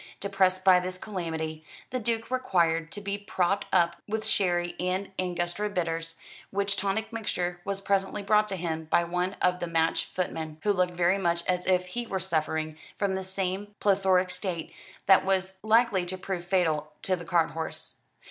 Depressed by this calamity, the Duke required to be propped up with sherry and Angustura bitters, which tonic mixture was presently brought to him by one of the match footmen, who looked very much as if he were suffering from the same plethoric state that was likely to prove fatal to the cart horse.